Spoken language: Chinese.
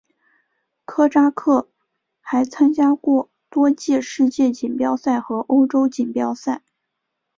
科扎克还参加过多届世界锦标赛和欧洲锦标赛。